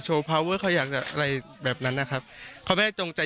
โชว์พราวเวอร์เขาอยากอะไรแบบนั้นนะครับเขาไม่ตรงใจ